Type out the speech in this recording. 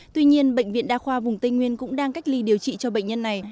tuy nhiên bệnh viện đa khoa vùng tây nguyên cũng đang cách ly điều trị cho bệnh nhân này